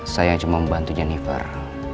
saya cuma membantu jennifer